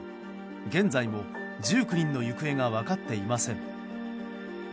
現在も１９人の行方が分かっていません。